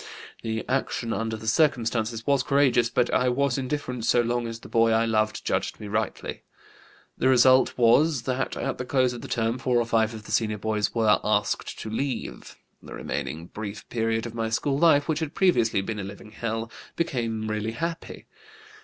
The action under the circumstances was courageous, but I was indifferent so long as the boy I loved judged me rightly. The result was that at the close of the term four or five of the senior boys were 'asked to leave.' The remaining brief period of my school life, which had previously been a living hell, became really happy.